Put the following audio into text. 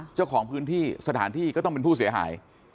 เจ้าของพื้นที่สถานที่ก็ต้องเป็นผู้เสียหาย